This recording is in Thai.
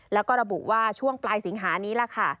แล้วก็ระบุว่าช่วงปลายสิงหานี้ล่ะค่ะ